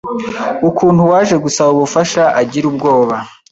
ukuntu uwaje gusaba ubufasha agira ubwoba